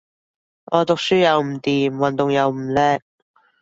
我讀書又唔掂，運動又唔叻